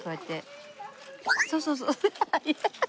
そうそうそう速い！